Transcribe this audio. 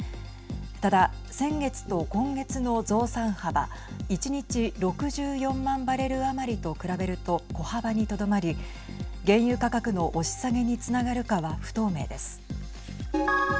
ただ先月と今月の増産幅１日６４万バレル余りと比べると小幅にとどまり原油価格の押し下げにつながるかは不透明です。